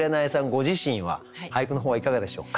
ご自身は俳句の方はいかがでしょうか？